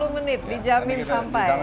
tiga puluh menit dijamin sampai